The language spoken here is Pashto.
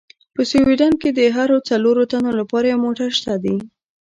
په سویډن کې د هرو څلورو تنو لپاره یو موټر شته دي.